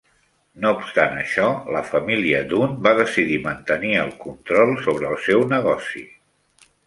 No obstant això, la família Dunne va decidir mantenir el control sobre el seu negoci.